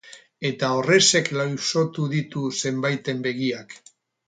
Eta horrexek lausotu ditu zenbaiten begiak.